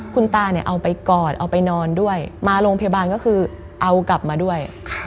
คุณตาเนี่ยเอาไปกอดเอาไปนอนด้วยมาโรงพยาบาลก็คือเอากลับมาด้วย